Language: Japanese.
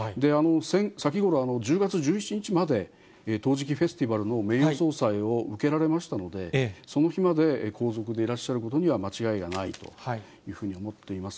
先ごろ１０月１７日まで、陶磁器フェスティバルの名誉総裁を受けられましたので、その日まで皇族でいらっしゃることには間違いはないというふうに思っています。